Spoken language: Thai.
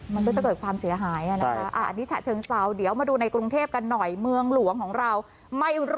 ละก็จะเกิดความเสียหาย